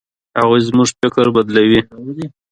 هغوی زموږ فکر بدلوي.